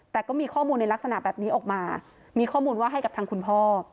แต่ก็มีข้อมูลในลักษณะแบบนี้ออกมามีข้อมูลว่าให้กับทางคุณพ่อ